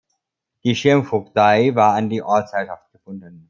Die Schirmvogtei war an die Ortsherrschaft gebunden.